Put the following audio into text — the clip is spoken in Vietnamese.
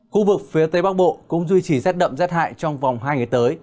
khu vực phía tây bắc bộ cũng duy trì rát đậm rát hại trong vòng hai ngày tới